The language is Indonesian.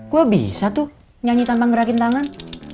gue bisa tuh nyanyi tanpa ngerakin tangan